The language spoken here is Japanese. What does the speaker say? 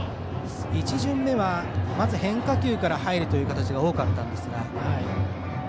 １巡目はまず変化球から入るという形が多かったんですが。